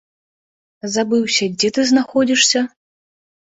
Забыўся, дзе ты знаходзішся?